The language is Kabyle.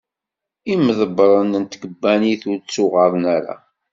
Imḍebren n tkebbanit ur ttuɣaḍen ara.